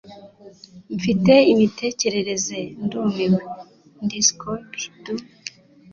mfite imitekerereze, ndumiwe, ndi scooby doo